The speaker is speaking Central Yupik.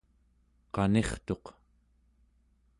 qanirtuq